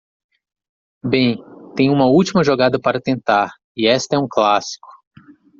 Bem, tenho uma última jogada para tentar, e esta é um clássico.